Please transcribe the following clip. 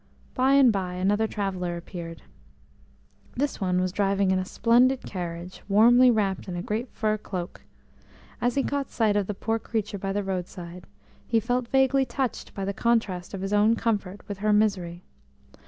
By and by another traveller appeared. This one was driving in a splendid carriage, warmly wrapped in a great fur cloak. As he caught sight of the poor creature by the roadside, he felt vaguely touched by the contrast of his own comfort with her misery.